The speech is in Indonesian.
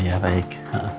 oh ya baik